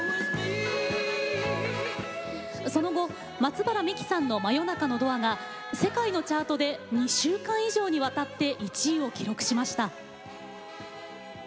その後、松原みきさんの「真夜中のドア」が世界のチャートで２週間以上にわたって１位を記録しました。